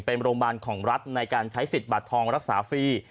เป็นโรงพยาบาลของรัฐในการใช้สิทธิ์บัตรทองรักษาฟรี